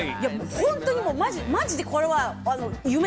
ホントにマジでこれは。